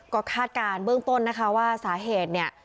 ก็คาดการณ์เบื้องต้นนะคะว่าสาเหตุเนี่ย